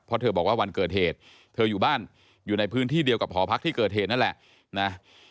เพราะเธอบอกว่าวันเกิดเหตุเธออยู่บ้านอยู่ในพื้นที่เดียวกับหอพักที่เกิดเหตุนั่นแหละนะ